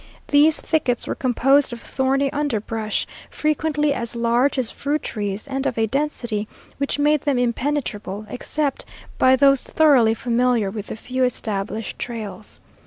These thickets were composed of thorny underbrush, frequently as large as fruit trees and of a density which made them impenetrable, except by those thoroughly familiar with the few established trails.